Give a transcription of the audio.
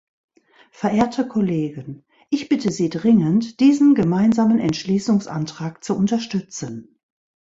Verehrte Kollegen, ich bitte Sie dringend, diesen Gemeinsamen Entschließungsantrag zu unterstützen.